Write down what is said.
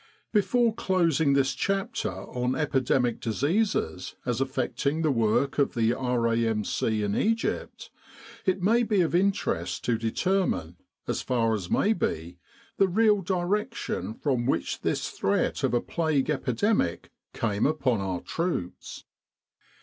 Before closing this chaptet on epidemic diseases as affecting the work of the R.A.M.C. in Egypt, it may be of interest to determine, as far as may be, the real direction from which this threat of a plague epidemic came upon our troops.